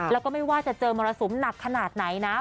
แล้วก็ไม่ว่าจะเจอมรสุมหนักขนาดไหนนะ